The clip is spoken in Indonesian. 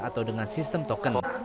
atau dengan sistem token